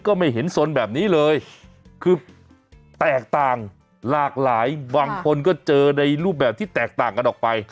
ก็ไม่เห็นสนแบบนี้เลยคือแตกต่างหลากหลายบางคนก็เจอในรูปแบบที่แตกต่างกันออกไป